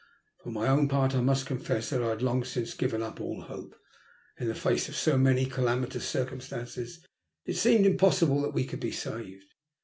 For my own part I must confess that I had long since given up all hope. In the face of 80 many calamitous circumstances it seemed impos sible that we could be saved.